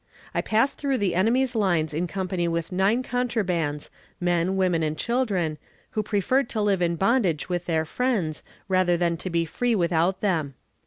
I passed through the enemy's lines in company with nine contrabands, men, women, and children, who preferred to live in bondage with their friends, rather than to be free without them.